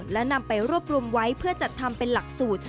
และนำไปรวบรวมไว้เพื่อจัดทำเป็นหลักสูตร